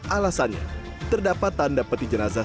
alasannya terdapat tanda peti jenazah